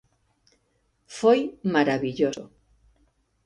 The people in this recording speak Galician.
Foi marabilloso.